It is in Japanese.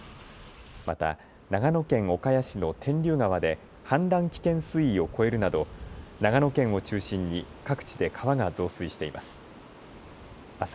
また長野県岡谷市の天竜川で氾濫危険水位を超えるなど長野県を中心に各地で川が増水しています。